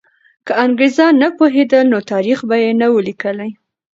که انګریزان نه پوهېدل، نو تاریخ به یې نه وو لیکلی.